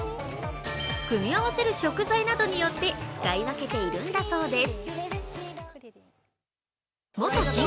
組み合わせる食材などによって使い分けているんだそうです。